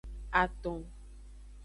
Aton.